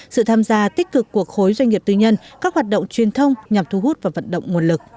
sự tham gia tích cực của khối doanh nghiệp tư nhân các hoạt động truyền thông nhằm thu hút và vận động nguồn lực